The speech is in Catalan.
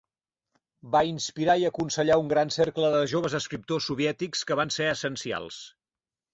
Va inspirar i aconsellar un gran cercle de joves escriptors soviètics que van ser essencials.